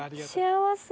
幸せ。